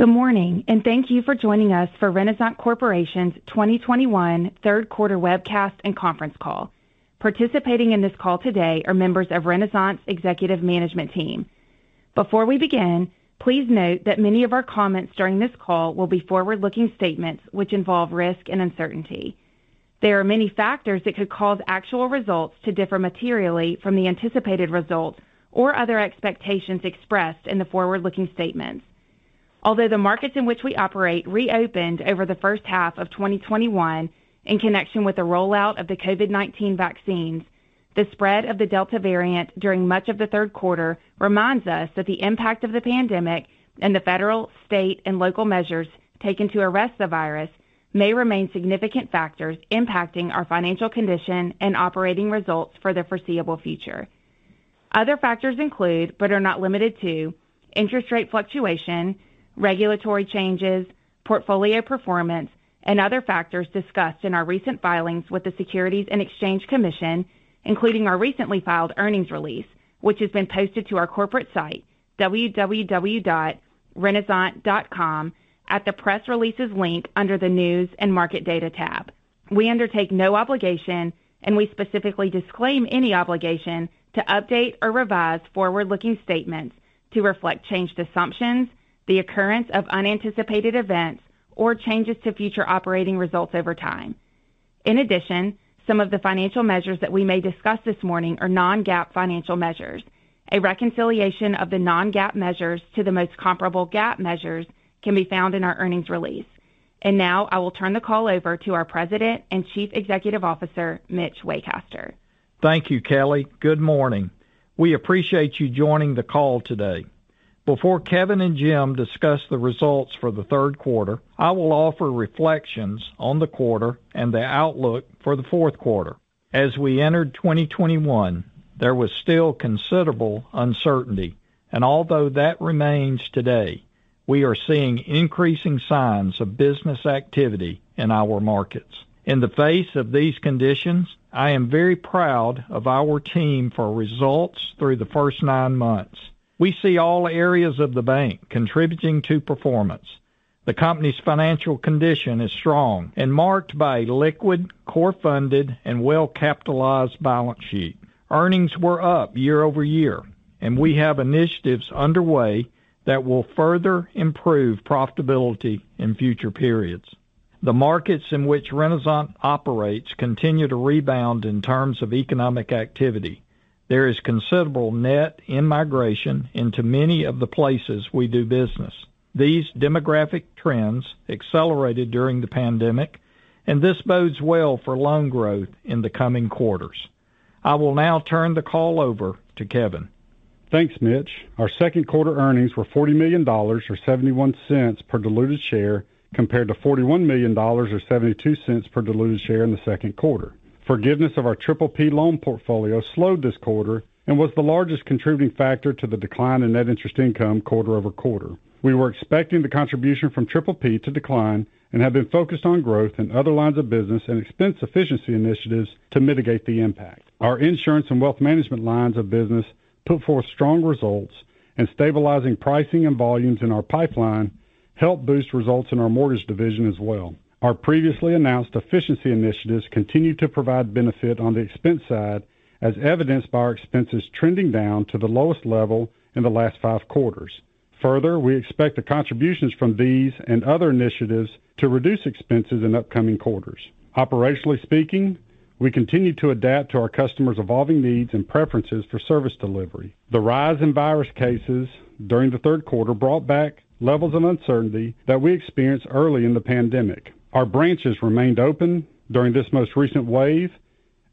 Good morning, and thank you for joining us for Renasant Corporation's 2021 Third Quarter Webcast and Conference Call. Participating in this call today are members of Renasant's executive management team. Before we begin, please note that many of our comments during this call will be forward-looking statements which involve risk and uncertainty. There are many factors that could cause actual results to differ materially from the anticipated results or other expectations expressed in the forward-looking statements. Although the markets in which we operate reopened over the first half of 2021 in connection with the rollout of the COVID-19 vaccines, the spread of the Delta variant during much of the third quarter reminds us that the impact of the pandemic and the federal, state, and local measures taken to arrest the virus may remain significant factors impacting our financial condition and operating results for the foreseeable future. Other factors include, but are not limited to, interest rate fluctuation, regulatory changes, portfolio performance, and other factors discussed in our recent filings with the Securities and Exchange Commission, including our recently filed earnings release, which has been posted to our corporate site, www.renasant.com, at the Press Releases link under the News and Market Data tab. We undertake no obligation, and we specifically disclaim any obligation, to update or revise forward-looking statements to reflect changed assumptions, the occurrence of unanticipated events, or changes to future operating results over time. In addition, some of the financial measures that we may discuss this morning are non-GAAP financial measures. A reconciliation of the non-GAAP measures to the most comparable GAAP measures can be found in our earnings release. Now I will turn the call over to our President and Chief Executive Officer, Mitch Waycaster. Thank you, Kelly. Good morning. We appreciate you joining the call today. Before Kevin and Jim discuss the results for the third quarter, I will offer reflections on the quarter and the outlook for the fourth quarter. As we entered 2021, there was still considerable uncertainty, and although that remains today, we are seeing increasing signs of business activity in our markets. In the face of these conditions, I am very proud of our team for results through the first nine months. We see all areas of the bank contributing to performance. The company's financial condition is strong and marked by a liquid, core-funded, and well-capitalized balance sheet. Earnings were up year-over-year, and we have initiatives underway that will further improve profitability in future periods. The markets in which Renasant operates continue to rebound in terms of economic activity. There is considerable net in-migration into many of the places we do business. These demographic trends accelerated during the pandemic, and this bodes well for loan growth in the coming quarters. I will now turn the call over to Kevin. Thanks, Mitch. Our second quarter earnings were $40 million, or $0.71 per diluted share, compared to $41 million, or $0.72 per diluted share in the second quarter. Forgiveness of our PPP loan portfolio slowed this quarter and was the largest contributing factor to the decline in net interest income quarter-over-quarter. We were expecting the contribution from PPP to decline and have been focused on growth in other lines of business and expense efficiency initiatives to mitigate the impact. Our insurance and wealth management lines of business put forth strong results, and stabilizing pricing and volumes in our pipeline helped boost results in our mortgage division as well. Our previously announced efficiency initiatives continue to provide benefit on the expense side, as evidenced by our expenses trending down to the lowest level in the last five quarters. Further, we expect the contributions from these and other initiatives to reduce expenses in upcoming quarters. Operationally speaking, we continue to adapt to our customers' evolving needs and preferences for service delivery. The rise in virus cases during the third quarter brought back levels of uncertainty that we experienced early in the pandemic. Our branches remained open during this most recent wave,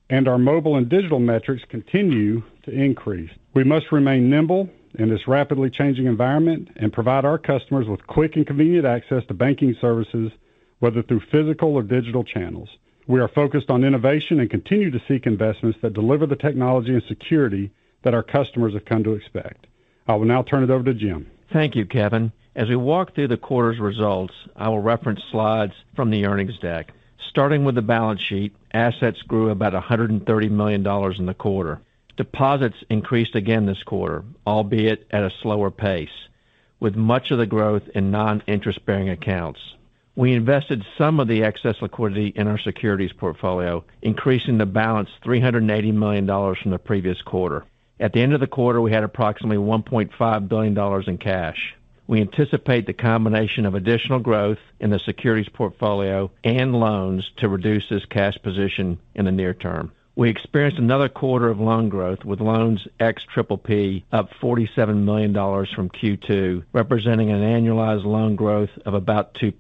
and our mobile and digital metrics continue to increase. We must remain nimble in this rapidly changing environment and provide our customers with quick and convenient access to banking services, whether through physical or digital channels. We are focused on innovation and continue to seek investments that deliver the technology and security that our customers have come to expect. I will now turn it over to Jim. Thank you, Kevin. As we walk through the quarter's results, I will reference slides from the earnings deck. Starting with the balance sheet, assets grew about $130 million in the quarter. Deposits increased again this quarter, albeit at a slower pace, with much of the growth in non-interest-bearing accounts. We invested some of the excess liquidity in our securities portfolio, increasing the balance $380 million from the previous quarter. At the end of the quarter, we had approximately $1.5 billion in cash. We anticipate the combination of additional growth in the securities portfolio and loans to reduce this cash position in the near term. We experienced another quarter of loan growth, with loans ex PPP up $47 million from Q2, representing an annualized loan growth of about 2%.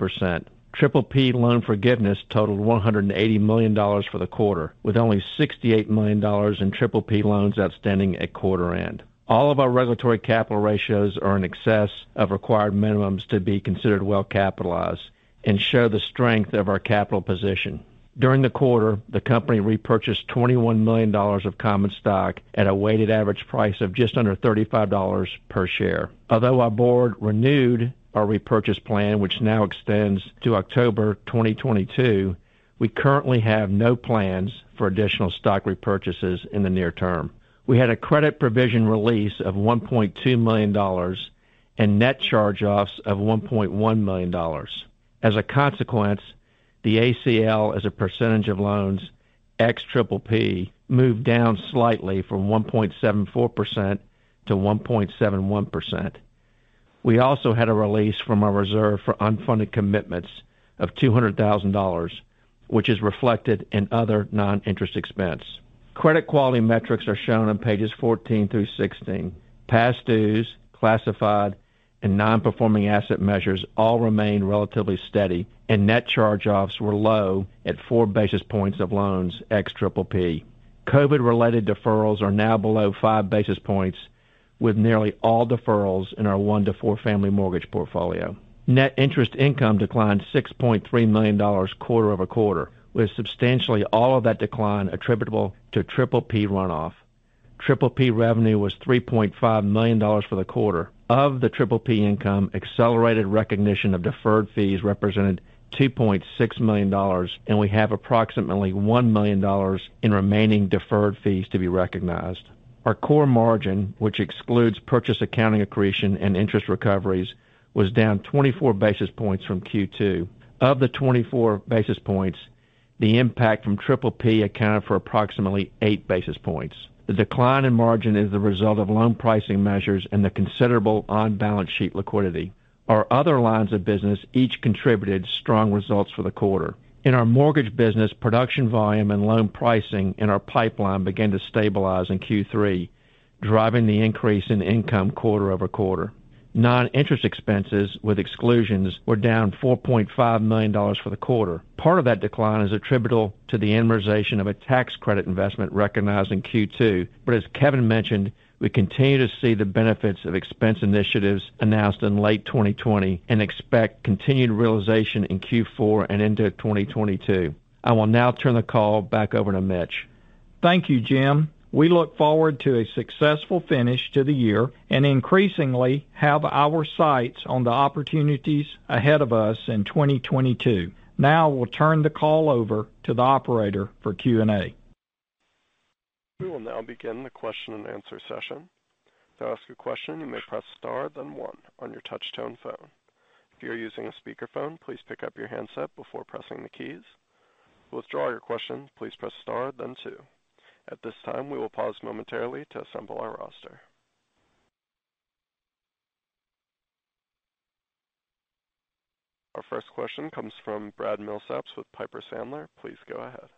PPP loan forgiveness totaled $180 million for the quarter, with only $68 million in PPP loans outstanding at quarter end. All of our regulatory capital ratios are in excess of required minimums to be considered well capitalized and show the strength of our capital position. During the quarter, the company repurchased $21 million of common stock at a weighted average price of just under $35 per share. Although our board renewed our repurchase plan, which now extends to October 2022. We currently have no plans for additional stock repurchases in the near term. We had a credit provision release of $1.2 million and net charge-offs of $1.1 million. As a consequence, the ACL, as a percentage of loans, ex PPP, moved down slightly from 1.74% to 1.71%. We also had a release from our reserve for unfunded commitments of $200,000, which is reflected in other non-interest expense. Credit quality metrics are shown on pages 14 through 16. Past dues, classified, and non-performing asset measures all remain relatively steady, and net charge-offs were low at 4 basis points of loans ex PPP. COVID-related deferrals are now below 5 basis points, with nearly all deferrals in our 1-4 family mortgage portfolio. Net interest income declined $6.3 million quarter-over-quarter, with substantially all of that decline attributable to PPP runoff. PPP revenue was $3.5 million for the quarter. Of the PPP income, accelerated recognition of deferred fees represented $2.6 million, and we have approximately $1 million in remaining deferred fees to be recognized. Our core margin, which excludes purchase accounting accretion and interest recoveries, was down 24 basis points from Q2. Of the 24 basis points, the impact from PPP accounted for approximately 8 basis points. The decline in margin is the result of loan pricing measures and the considerable on-balance sheet liquidity. Our other lines of business each contributed strong results for the quarter. In our mortgage business, production volume and loan pricing in our pipeline began to stabilize in Q3, driving the increase in income quarter-over-quarter. Non-interest expenses with exclusions were down $4.5 million for the quarter. Part of that decline is attributable to the amortization of a tax credit investment recognized in Q2. As Kevin mentioned, we continue to see the benefits of expense initiatives announced in late 2020 and expect continued realization in Q4 and into 2022. I will now turn the call back over to Mitch. Thank you, Jim. We look forward to a successful finish to the year and increasingly have our sights on the opportunities ahead of us in 2022. Now we'll turn the call over to the operator for Q&A. We will now begin the question-and-answer session. To ask a question, you may press star then one on your touchtone phone. If you are using a speakerphone, please pick up your handset before pressing the keys. To withdraw your question, please press star then two. At this time, we will pause momentarily to assemble our roster. Our first question comes from Brad Milsaps with Piper Sandler. Please go ahead.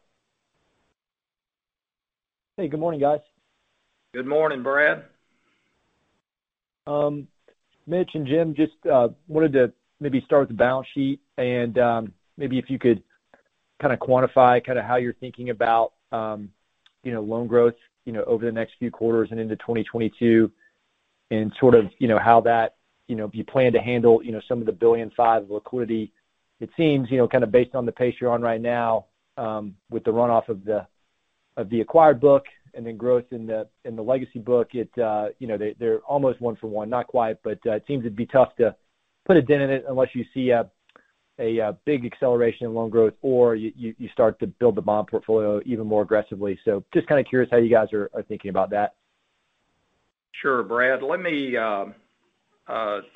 Hey, good morning, guys. Good morning, Brad. Mitch and Jim, just wanted to maybe start with the balance sheet and maybe if you could kind of quantify kind of how you're thinking about you know, loan growth, you know, over the next few quarters and into 2022 and sort of, you know, how that, you know, if you plan to handle, you know, some of the $1.5 billion liquidity. It seems, you know, kind of based on the pace you're on right now, with the runoff of the acquired book and then growth in the legacy book, it you know, they're almost one-for-one, not quite, but it seems it'd be tough to put a dent in it unless you see a big acceleration in loan growth or you start to build the bond portfolio even more aggressively. Just kind of curious how you guys are thinking about that. Sure, Brad. To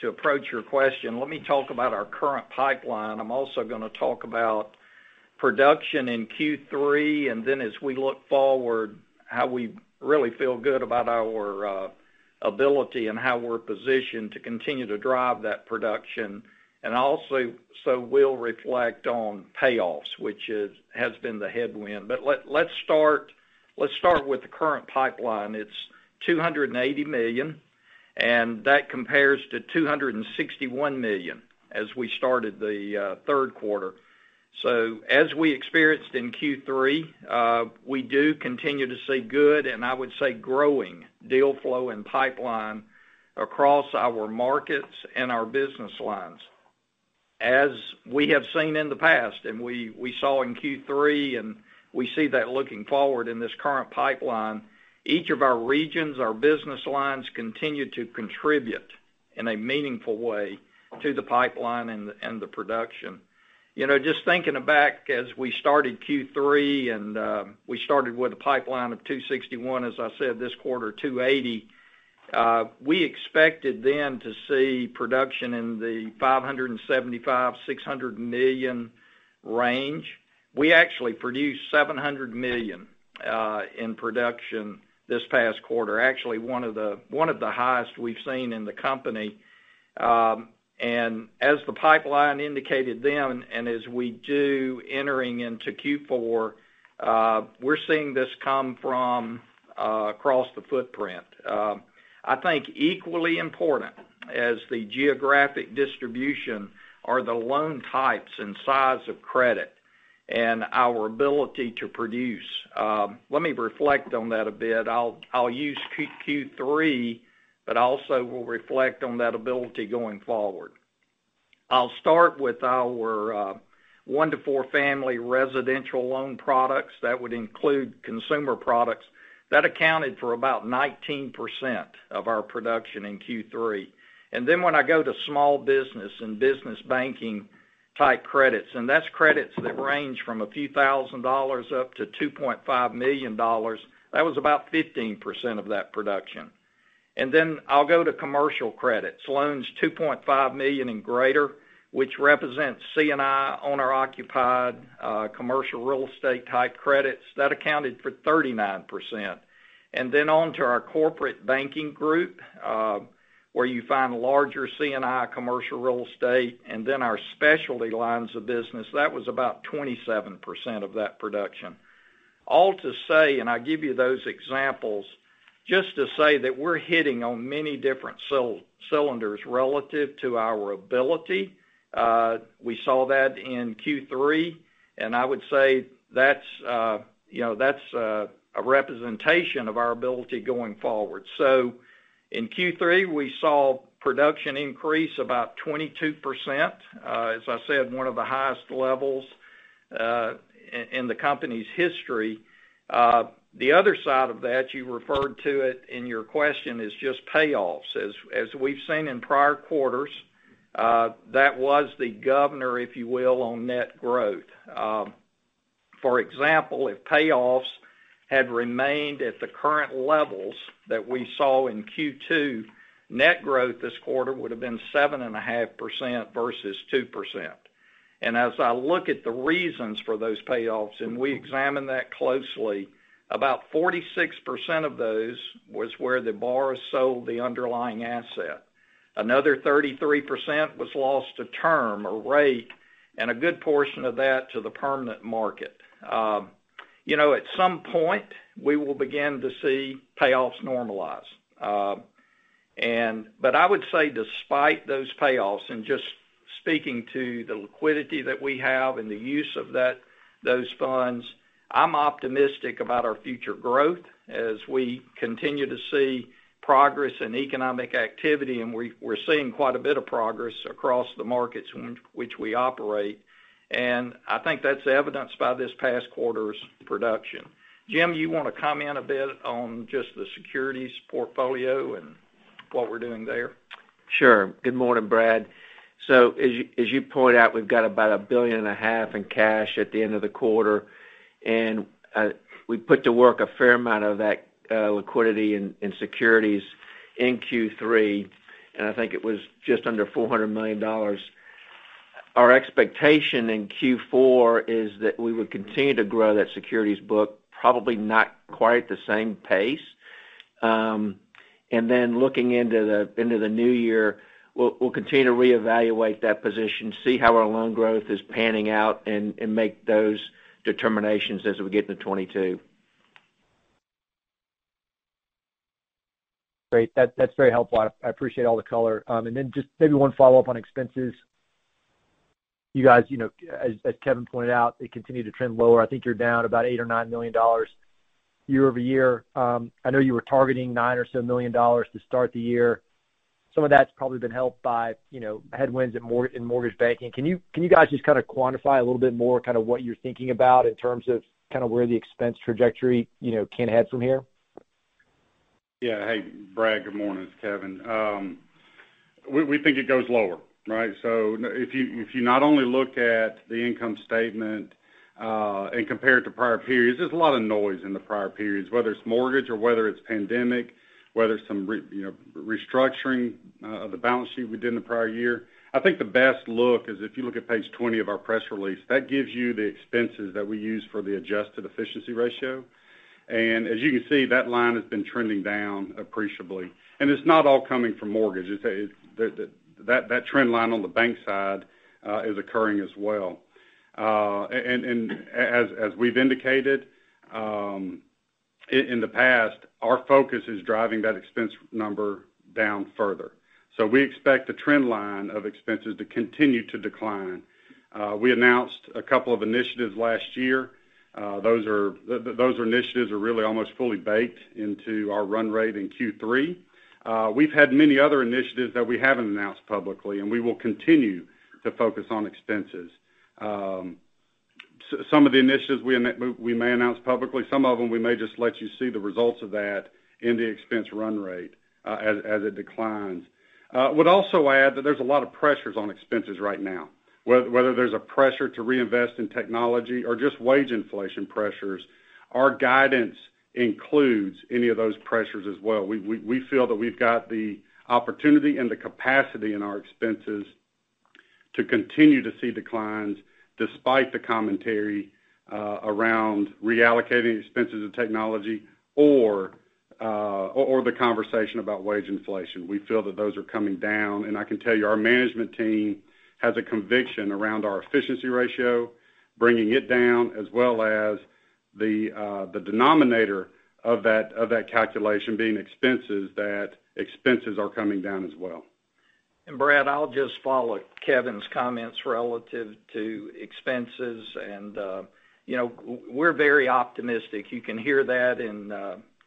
approach your question, let me talk about our current pipeline. I'm also gonna talk about production in Q3, and then as we look forward, how we really feel good about our ability and how we're positioned to continue to drive that production. We'll reflect on payoffs, which has been the headwind. Let's start with the current pipeline. It's $280 million, and that compares to $261 million as we started the third quarter. As we experienced in Q3, we do continue to see good, and I would say growing deal flow and pipeline across our markets and our business lines. As we have seen in the past, and we saw in Q3, and we see that looking forward in this current pipeline, each of our regions, our business lines continue to contribute in a meaningful way to the pipeline and the production. You know, just thinking back as we started Q3, and we started with a pipeline of $261 million, as I said this quarter, $280 million, we expected then to see production in the $575-$600 million range. We actually produced $700 million in production this past quarter. Actually one of the highest we've seen in the company. As the pipeline indicated then, and as we do entering into Q4, we're seeing this come from across the footprint. I think equally important as the geographic distribution are the loan types and size of credit and our ability to produce. Let me reflect on that a bit. I'll use Q3, but also will reflect on that ability going forward. I'll start with our 1-4 family residential loan products. That would include consumer products. That accounted for about 19% of our production in Q3. Then when I go to small business and business banking-type credits, and that's credits that range from a few thousand dollars up to $2.5 million. That was about 15% of that production. Then I'll go to commercial credits, loans $2.5 million and greater, which represents C&I owner-occupied, commercial real estate-type credits. That accounted for 39%. Then on to our corporate banking group, where you find larger C&I commercial real estate, and then our specialty lines of business, that was about 27% of that production. All to say, and I give you those examples just to say that we're hitting on many different cylinders relative to our ability. We saw that in Q3, and I would say that's, you know, a representation of our ability going forward. In Q3, we saw production increase about 22%. As I said, one of the highest levels in the company's history. The other side of that, you referred to it in your question, is just payoffs. As we've seen in prior quarters, that was the governor, if you will, on net growth. For example, if payoffs had remained at the current levels that we saw in Q2, net growth this quarter would have been 7.5% versus 2%. As I look at the reasons for those payoffs, and we examine that closely, about 46% of those was where the borrower sold the underlying asset. Another 33% was lost to term or rate, and a good portion of that to the permanent market. You know, at some point, we will begin to see payoffs normalize. I would say despite those payoffs and just speaking to the liquidity that we have and the use of that, those funds, I'm optimistic about our future growth as we continue to see progress in economic activity, and we're seeing quite a bit of progress across the markets in which we operate. I think that's evidenced by this past quarter's production. Jim, you wanna comment a bit on just the securities portfolio and what we're doing there? Sure. Good morning, Brad. As you pointed out, we've got about $1.5 billion in cash at the end of the quarter. We put to work a fair amount of that liquidity in securities in Q3, and I think it was just under $400 million. Our expectation in Q4 is that we would continue to grow that securities book, probably not quite the same pace. Looking into the new year, we'll continue to reevaluate that position, see how our loan growth is panning out, and make those determinations as we get into 2022. Great. That's very helpful. I appreciate all the color. And then just maybe one follow-up on expenses. You guys, you know, as Kevin pointed out, they continue to trend lower. I think you're down about $8 million or $9 million year-over-year. I know you were targeting $9 million or so to start the year. Some of that's probably been helped by, you know, headwinds in mortgage banking. Can you guys just kind of quantify a little bit more kind of what you're thinking about in terms of kind of where the expense trajectory, you know, can head from here? Yeah. Hey, Brad. Good morning. It's Kevin. We think it goes lower, right? If you not only look at the income statement and compare it to prior periods, there's a lot of noise in the prior periods, whether it's mortgage or whether it's pandemic, whether it's some you know, restructuring of the balance sheet we did in the prior year. I think the best look is if you look at page 20 of our press release. That gives you the expenses that we used for the adjusted efficiency ratio. As you can see, that line has been trending down appreciably. It's not all coming from mortgage. That trend line on the bank side is occurring as well. As we've indicated in the past, our focus is driving that expense number down further. We expect the trend line of expenses to continue to decline. We announced a couple of initiatives last year. Those initiatives are really almost fully baked into our run rate in Q3. We've had many other initiatives that we haven't announced publicly, and we will continue to focus on expenses. Some of the initiatives we may announce publicly, some of them we may just let you see the results of that in the expense run rate, as it declines. Would also add that there's a lot of pressures on expenses right now, whether there's a pressure to reinvest in technology or just wage inflation pressures. Our guidance includes any of those pressures as well. We feel that we've got the opportunity and the capacity in our expenses to continue to see declines despite the commentary around reallocating expenses and technology or the conversation about wage inflation. We feel that those are coming down. I can tell you, our management team has a conviction around our efficiency ratio, bringing it down, as well as the denominator of that calculation being expenses, that expenses are coming down as well. Brad, I'll just follow Kevin's comments relative to expenses and, you know, we're very optimistic. You can hear that in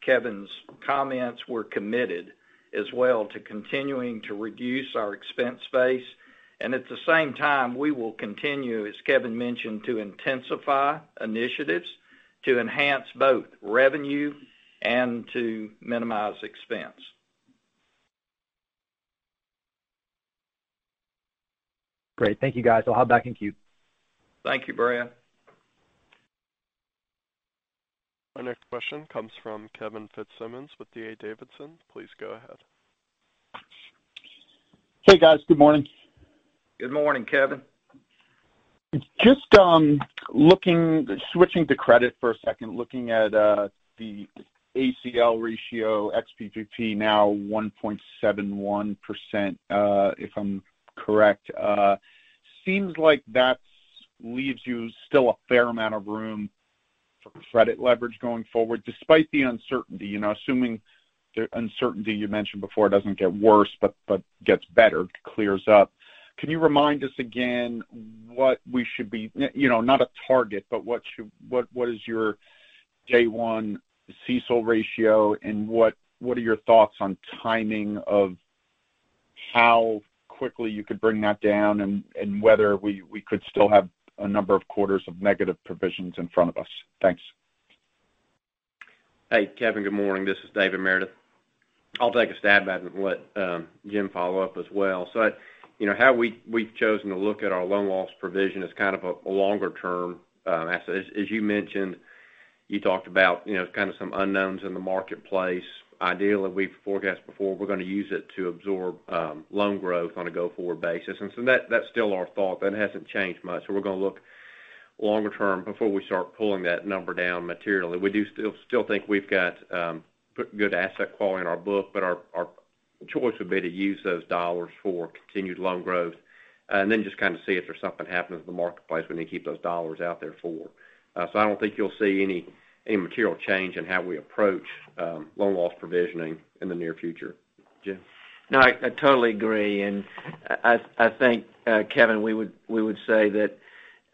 Kevin's comments. We're committed as well to continuing to reduce our expense base. At the same time, we will continue, as Kevin mentioned, to intensify initiatives to enhance both revenue and to minimize expense. Great. Thank you, guys. I'll hop back in queue. Thank you, Brad. Our next question comes from Kevin Fitzsimmons with D.A. Davidson. Please go ahead. Hey, guys. Good morning. Good morning, Kevin. Just switching to credit for a second, looking at the ACL ratio ex PPP now 1.71%, if I'm correct. Seems like that leaves you still a fair amount of room for credit leverage going forward, despite the uncertainty, you know, assuming the uncertainty you mentioned before, it doesn't get worse, but gets better, clears up. Can you remind us again what we should be, you know, not a target, but what is your day one CECL ratio and what are your thoughts on timing of how quickly you could bring that down and whether we could still have a number of quarters of negative provisions in front of us? Thanks. Hey, Kevin, good morning. This is David Meredith. I'll take a stab at it and let Jim follow up as well. You know, how we've chosen to look at our loan loss provision is kind of a longer term, as you mentioned, you talked about, you know, kind of some unknowns in the marketplace. Ideally, we've forecast before we're going to use it to absorb loan growth on a go-forward basis. That's still our thought. That hasn't changed much. We're going to look longer term before we start pulling that number down materially. We do still think we've got good asset quality in our book, but our choice would be to use those dollars for continued loan growth, and then just kind of see if there's something happening in the marketplace we need to keep those dollars out there for. I don't think you'll see any material change in how we approach loan loss provisioning in the near future. Jim? No, I totally agree. I think, Kevin, we would say that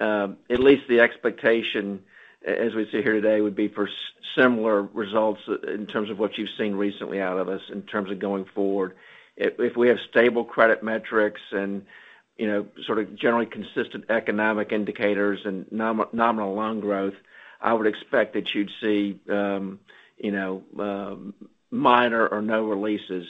at least the expectation as we see here today would be for similar results in terms of what you've seen recently out of us in terms of going forward. If we have stable credit metrics and you know sort of generally consistent economic indicators and nominal loan growth, I would expect that you'd see you know minor or no releases.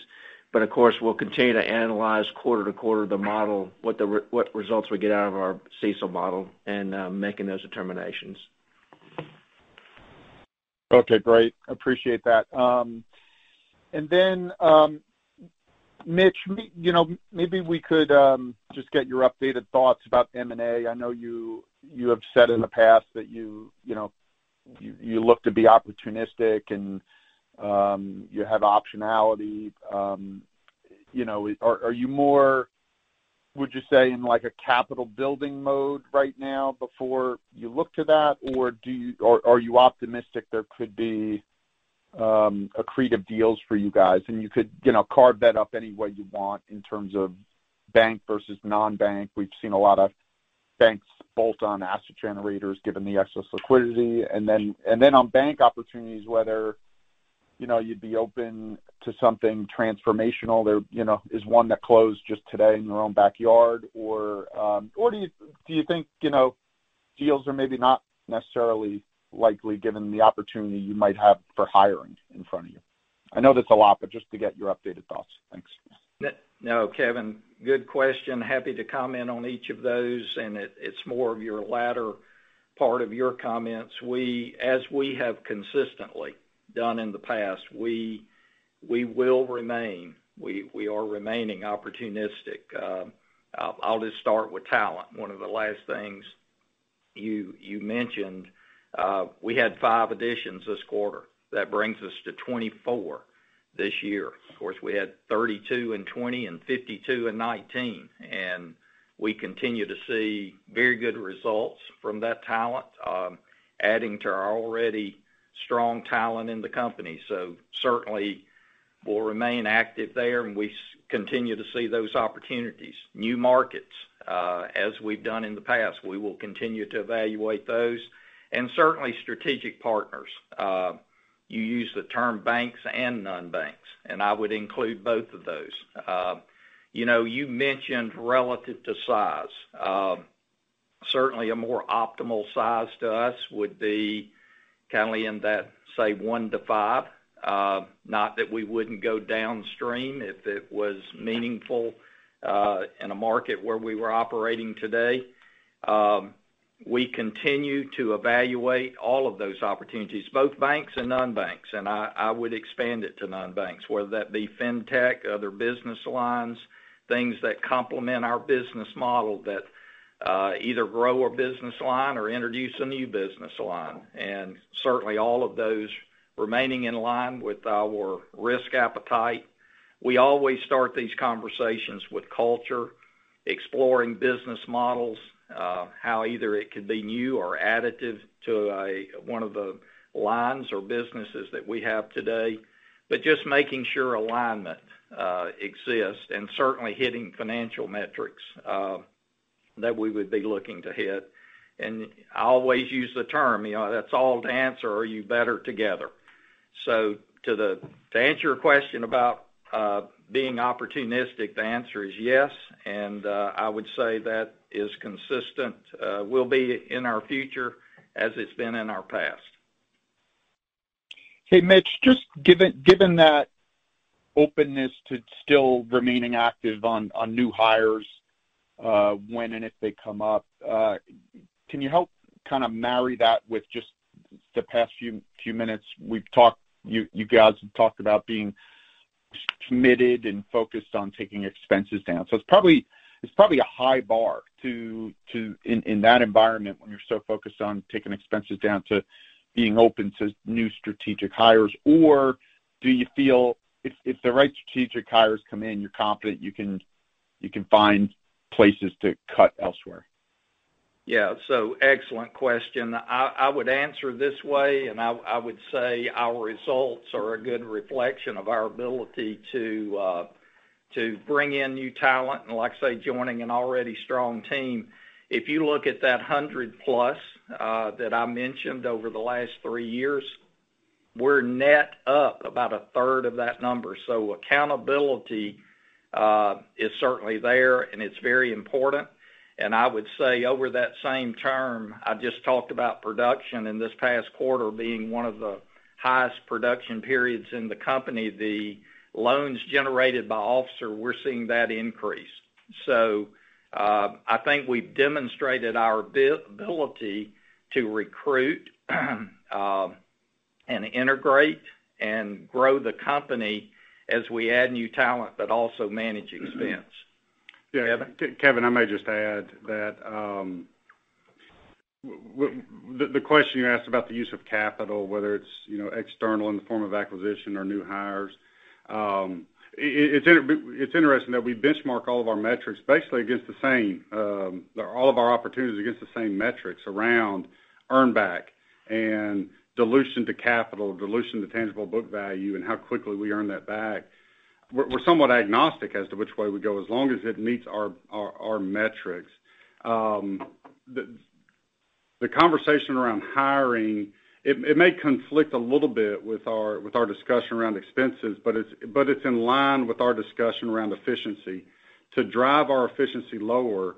But of course, we'll continue to analyze quarter to quarter the model, what results we get out of our CECL model and making those determinations. Okay, great. Appreciate that. Mitch, you know, maybe we could just get your updated thoughts about M&A. I know you have said in the past that you know you look to be opportunistic and you have optionality. You know, are you more, would you say, in like a capital building mode right now before you look to that? Or are you optimistic there could be accretive deals for you guys? You could, you know, carve that up any way you want in terms of bank versus non-bank. We've seen a lot of banks bolt on asset generators given the excess liquidity. On bank opportunities, whether you know you'd be open to something transformational. There, you know, is one that closed just today in your own backyard. Do you think, you know, deals are maybe not necessarily likely given the opportunity you might have for hiring in front of you? I know that's a lot, but just to get your updated thoughts. Thanks. No, Kevin, good question. Happy to comment on each of those. It's more of your latter part of your comments. As we have consistently done in the past, we will remain, we are remaining opportunistic. I'll just start with talent, one of the last things you mentioned. We had five additions this quarter. That brings us to 24 this year. Of course, we had 32 in 2020 and 52 in 2019. We continue to see very good results from that talent, adding to our already strong talent in the company. Certainly we'll remain active there and we continue to see those opportunities. New markets, as we've done in the past, we will continue to evaluate those. Certainly strategic partners. You used the term banks and non-banks, and I would include both of those. You know, you mentioned relative to size. Certainly a more optimal size to us would be kind of in that, say, 1-5. Not that we wouldn't go downstream if it was meaningful, in a market where we were operating today. We continue to evaluate all of those opportunities, both banks and non-banks. I would expand it to non-banks, whether that be fintech, other business lines, things that complement our business model that either grow a business line or introduce a new business line. Certainly all of those remaining in line with our risk appetite. We always start these conversations with culture, exploring business models, how either it could be new or additive to one of the lines or businesses that we have today. Just making sure alignment exists and certainly hitting financial metrics that we would be looking to hit. I always use the term, you know, that's all to answer, are you better together? To answer your question about being opportunistic, the answer is yes. I would say that is consistent, will be in our future as it's been in our past. Hey, Mitch, given that openness to still remaining active on new hires, can you help kind of marry that with just the past few minutes we've talked, you guys have talked about being committed and focused on taking expenses down. It's probably a high bar in that environment when you're so focused on taking expenses down to being open to new strategic hires. Do you feel if the right strategic hires come in, you're confident you can find places to cut elsewhere? Yeah. Excellent question. I would answer this way, and I would say our results are a good reflection of our ability to bring in new talent, and like I say, joining an already strong team. If you look at that 100-plus that I mentioned over the last three years, we're net up about a third of that number. Accountability is certainly there, and it's very important. I would say over that same term, I just talked about production in this past quarter being one of the highest production periods in the company. The loans generated by officer, we're seeing that increase. I think we've demonstrated our ability to recruit and integrate and grow the company as we add new talent, but also manage expense. Yeah. Kevin, I may just add that, when the question you asked about the use of capital, whether it's, you know, external in the form of acquisition or new hires, it's interesting that we benchmark all of our metrics basically against the same, all of our opportunities against the same metrics around earn back and dilution to capital, dilution to tangible book value and how quickly we earn that back. We're somewhat agnostic as to which way we go as long as it meets our metrics. The conversation around hiring, it may conflict a little bit with our discussion around expenses, but it's in line with our discussion around efficiency. To drive our efficiency lower,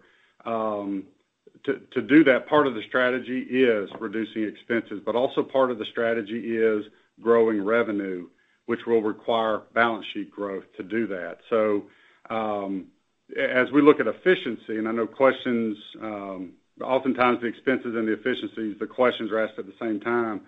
to do that part of the strategy is reducing expenses, but also part of the strategy is growing revenue, which will require balance sheet growth to do that. As we look at efficiency and I know questions, oftentimes the expenses and the efficiencies, the questions are asked at the same time.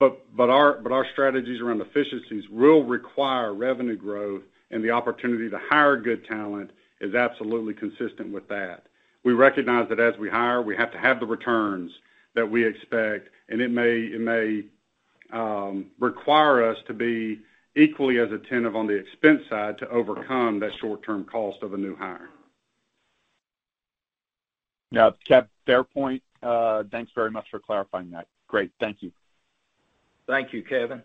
Our strategies around efficiencies will require revenue growth and the opportunity to hire good talent is absolutely consistent with that. We recognize that as we hire, we have to have the returns that we expect, and it may require us to be equally as attentive on the expense side to overcome that short-term cost of a new hire. Yeah. Kev, fair point. Thanks very much for clarifying that. Great. Thank you. Thank you, Kevin.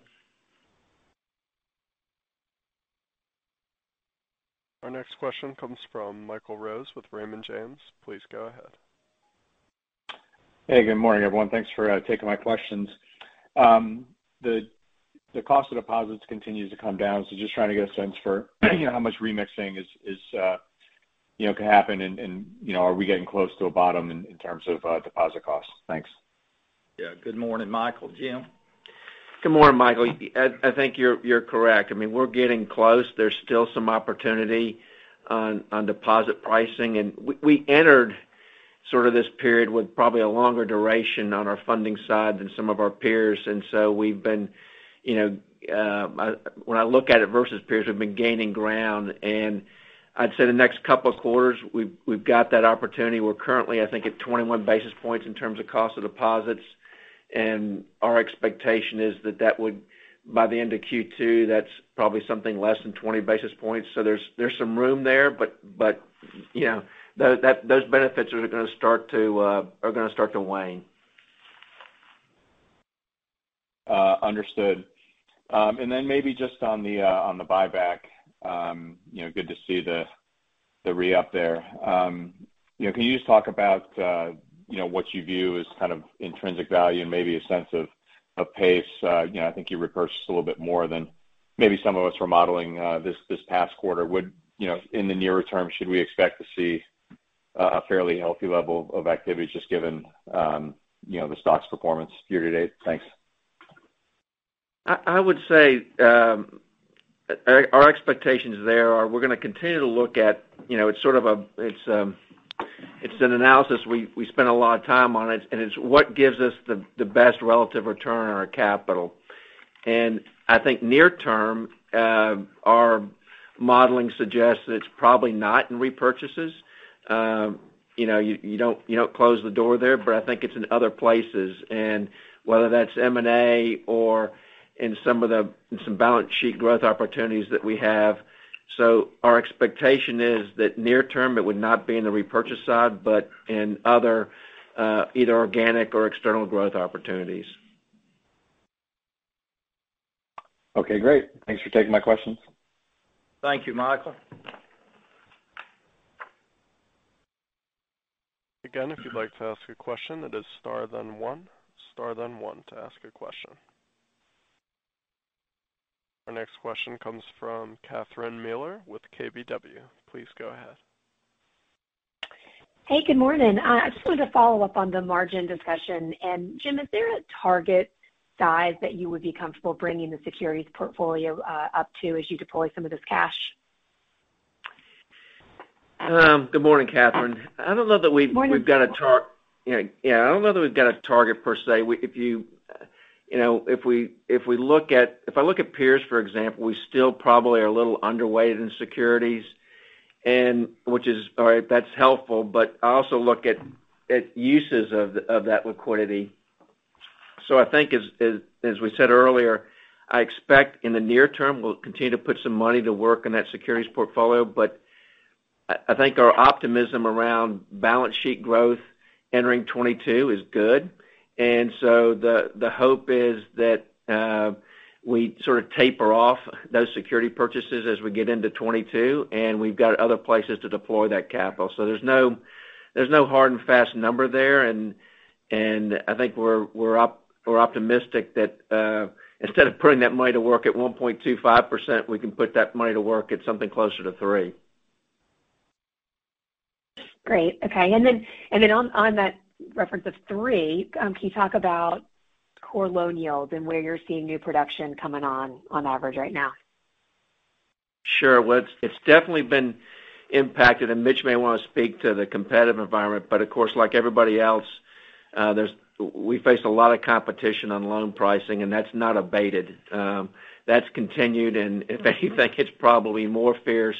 Our next question comes from Michael Rose with Raymond James. Please go ahead. Hey, good morning, everyone. Thanks for taking my questions. The cost of deposits continues to come down. Just trying to get a sense for, you know, how much remixing is, you know, can happen and, you know, are we getting close to a bottom in terms of deposit costs? Thanks. Yeah. Good morning, Michael. Jim? Good morning, Michael. I think you're correct. I mean, we're getting close. There's still some opportunity on deposit pricing. We entered sort of this period with probably a longer duration on our funding side than some of our peers. We've been, you know, when I look at it versus peers, we've been gaining ground. I'd say the next couple of quarters, we've got that opportunity. We're currently, I think, at 21 basis points in terms of cost of deposits. Our expectation is that would, by the end of Q2, that's probably something less than 20 basis points. There's some room there. You know, those benefits are gonna start to wane. Understood. Maybe just on the buyback, you know, good to see the re-up there. You know, can you just talk about you know, what you view as kind of intrinsic value and maybe a sense of pace? You know, I think you repurchased a little bit more than maybe some of us were modeling this past quarter. In the nearer term, should we expect to see a fairly healthy level of activity just given you know, the stock's performance year to date? Thanks. I would say our expectations there are we're gonna continue to look at, you know, it's an analysis we spend a lot of time on it, and it's what gives us the best relative return on our capital. I think near term, our modeling suggests that it's probably not in repurchases. You know, you don't close the door there, but I think it's in other places, whether that's M&A or in some balance sheet growth opportunities that we have. Our expectation is that near term, it would not be in the repurchase side, but in other either organic or external growth opportunities. Okay, great. Thanks for taking my questions. Thank you, Michael. Our next question comes from Catherine Mealor with KBW. Please go ahead. Hey, good morning. I just wanted to follow up on the margin discussion. Jim, is there a target size that you would be comfortable bringing the securities portfolio up to as you deploy some of this cash? Good morning, Katherine. I don't know that we've Morning. Yeah, I don't know that we've got a target per se. If you know, if I look at peers, for example, we still probably are a little underweight in securities, and which is all right, that's helpful, but I also look at uses of that liquidity. I think as we said earlier, I expect in the near term, we'll continue to put some money to work in that securities portfolio. I think our optimism around balance sheet growth entering 2022 is good. The hope is that we sort of taper off those security purchases as we get into 2022, and we've got other places to deploy that capital. There's no hard and fast number there. I think we're optimistic that instead of putting that money to work at 1.25%, we can put that money to work at something closer to 3%. Great. Okay. On that reference of three, can you talk about core loan yields and where you're seeing new production coming on average right now? Sure. Well, it's definitely been impacted, and Mitch may wanna speak to the competitive environment, but of course, like everybody else, we face a lot of competition on loan pricing, and that's not abated. That's continued, and if anything, it's probably more fierce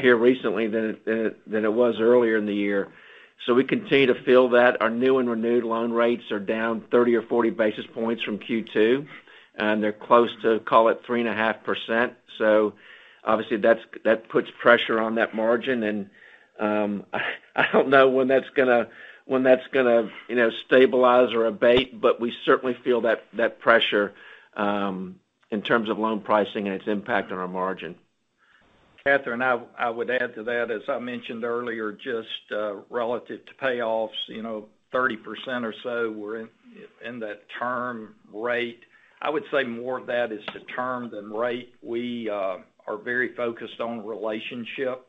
here recently than it was earlier in the year. We continue to feel that. Our new and renewed loan rates are down 30 or 40 basis points from Q2, and they're close to call it 3.5%. Obviously, that puts pressure on that margin. I don't know when that's gonna, you know, stabilize or abate, but we certainly feel that pressure in terms of loan pricing and its impact on our margin. Catherine, I would add to that, as I mentioned earlier, just relative to payoffs, you know, 30% or so were in that term rate. I would say more of that is to term than rate. We are very focused on relationship.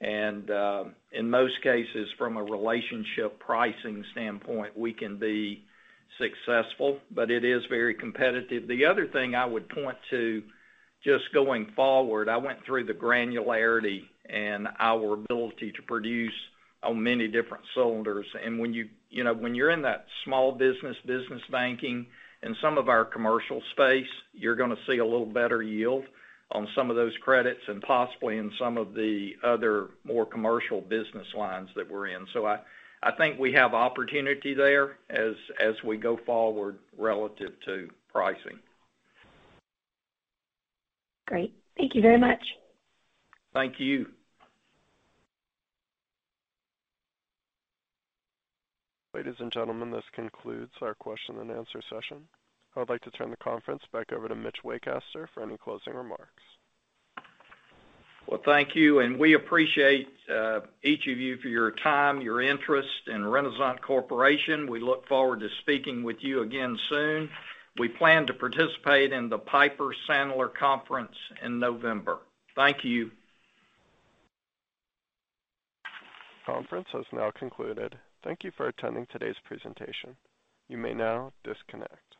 In most cases, from a relationship pricing standpoint, we can be successful, but it is very competitive. The other thing I would point to just going forward, I went through the granularity and our ability to produce on many different cylinders. When you know, when you're in that small business banking, in some of our commercial space, you're gonna see a little better yield on some of those credits and possibly in some of the other more commercial business lines that we're in. I think we have opportunity there as we go forward relative to pricing. Great. Thank you very much. Thank you. Ladies and gentlemen, this concludes our question and answer session. I would like to turn the conference back over to Mitch Waycaster for any closing remarks. Well, thank you, and we appreciate each of you for your time, your interest in Renasant Corporation. We look forward to speaking with you again soon. We plan to participate in the Piper Sandler Conference in November. Thank you. Conference has now concluded. Thank you for attending today's presentation. You may now disconnect.